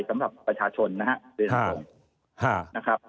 สำหรับประชาชนนะฮะใช่